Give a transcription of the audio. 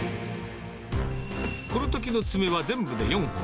このときの爪は全部で４本。